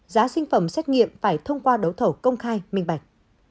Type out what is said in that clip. giá sinh phẩm xét nghiệm phải thông qua đấu thầu công khai minh bạch